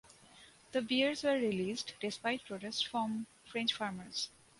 The bears were released despite protests from French farmers.